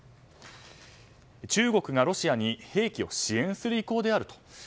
中国がロシアに兵器を支援する意向であると。